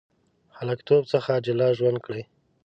هلکتوب څخه جلا ژوند کړی.